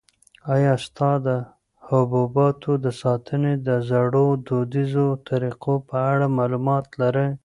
آیا تاسو د حبوباتو د ساتنې د زړو دودیزو طریقو په اړه معلومات لرئ؟